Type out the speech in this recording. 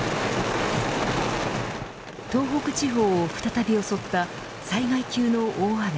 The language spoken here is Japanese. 東北地方を再び襲った災害級の大雨。